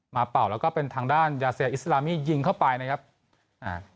เป่าแล้วก็เป็นทางด้านยาเซียอิสลามี่ยิงเข้าไปนะครับอ่า